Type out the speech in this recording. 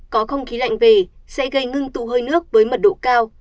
có không khí lạnh về sẽ gây ngưng tụ hơi nước với mật độ cao